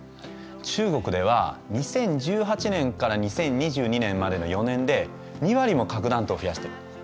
中国では２０１８年から２０２２年までの４年で２割も核弾頭を増やしてる。